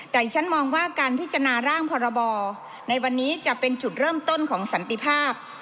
แต่ดิฉันมองว่าการพิจารณาร่างพรบในวันนี้จะเป็นจุดเริ่มต้นของสันติภาพ